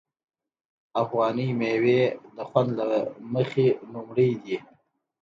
افغاني میوې د خوند له مخې لومړی دي.